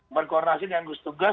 berkoordinasi dengan gugus tugas